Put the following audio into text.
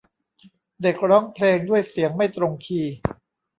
เด็กร้องเพลงด้วยเสียงไม่ตรงคีย์